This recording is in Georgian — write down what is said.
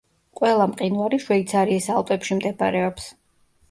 ყველა მყინვარი შვეიცარიის ალპებში მდებარეობს.